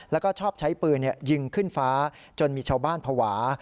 แล้วก็ชอบใช้ปืนยิงขึ้นฟ้าจนมีชาวบ้านภาวะ